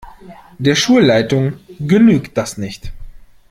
Der Schulleitung genügt das nicht.